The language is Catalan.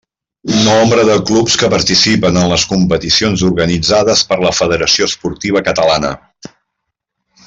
Nombre de clubs que participen en les competicions organitzades per la federació esportiva catalana.